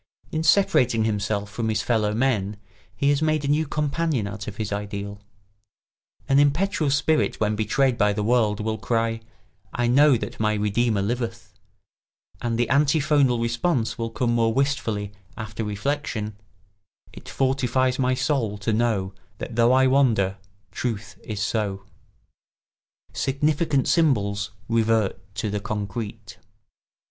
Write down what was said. In separating himself from his fellow men he has made a new companion out of his ideal. An impetuous spirit when betrayed by the world will cry, "I know that my redeemer liveth"; and the antiphonal response will come more wistfully after reflection: "It fortifies my soul to know That though I wander, Truth is so." [Sidenote: Significant symbols revert to the concrete.